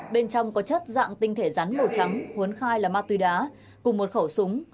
bên trong có chất dạng tinh thể rắn màu trắng huấn khai là ma túy đá cùng một khẩu súng